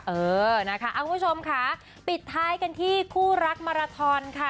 เออนะคะคุณผู้ชมค่ะปิดท้ายกันที่คู่รักมาราทอนค่ะ